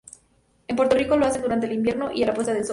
En Puerto Rico lo hacen durante el invierno, y a la puesta de sol.